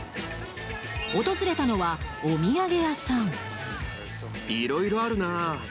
訪れたのは、お土産屋さん。